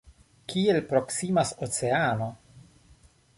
Kiel proksimas oceano!